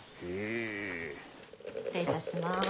失礼いたします。